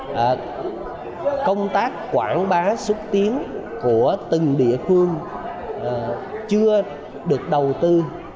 tuy nhiên công tác quảng bá xuất tiến của từng địa phương chưa được đầu tư